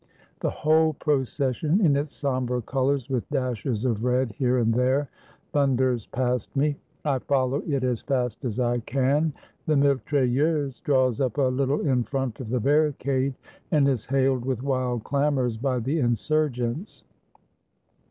The whole procession, in its somber colors, with dashes of red here and there, thunders past me; I follow it as fast as I can. The mitrailleuse draws up a Httle in front of the barricade, and is hailed with wild clamors by the insurgents.